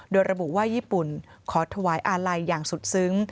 โดยระบุว่าญี่ปุ่นขอถวายอาลัยอย่างสุดซึ้ง